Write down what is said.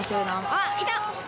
あっ、いた！